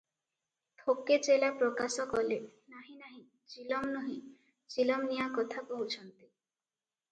ଥୋକେ ଚେଲା ପ୍ରକାଶ କଲେ, "ନାହିଁ ନାହିଁ ଚିଲମ ନୁହେଁ, ଚିଲମ ନିଆଁ କଥା କହୁଛନ୍ତି ।"